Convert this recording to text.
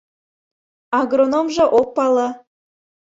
Агрономжо ок пале.